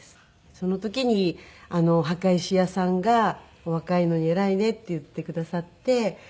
その時に墓石屋さんが「若いのに偉いね」って言ってくださって。